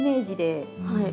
はい。